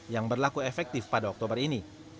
yang berlaku efektif pada oktober ini